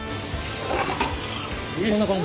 こんな感じ。